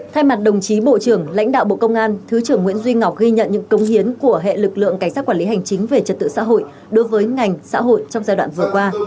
thay mặt đồng chí bộ trưởng lãnh đạo bộ công an thứ trưởng nguyễn duy ngọc ghi nhận những công hiến của hệ lực lượng cảnh sát quản lý hành chính về trật tự xã hội đối với ngành xã hội trong giai đoạn vừa qua